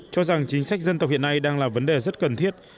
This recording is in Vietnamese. cho rằng chính sách dân tộc hiện nay đang là vấn đề rất cần thiết